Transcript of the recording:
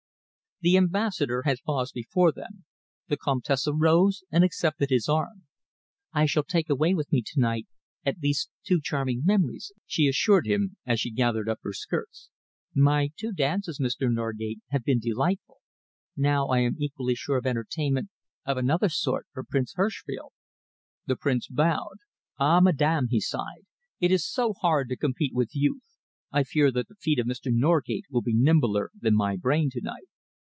The Ambassador had paused before them. The Comtesse rose and accepted his arm. "I shall take away with me to night at least two charming memories," she assured him, as she gathered up her skirts. "My two dances, Mr. Norgate, have been delightful. Now I am equally sure of entertainment of another sort from Prince Herschfeld." The Prince bowed. "Ah! madame," he sighed, "it is so hard to compete with youth. I fear that the feet of Mr. Norgate will be nimbler than my brain to night."